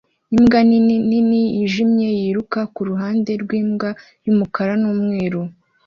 imbwa nini nini yijimye yiruka kuruhande rwimbwa yumukara numweru